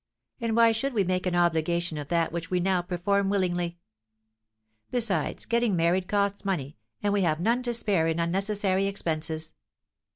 And why should we make an obligation of that which we now perform willingly? Besides, getting married costs money, and we have none to spare in unnecessary expenses.'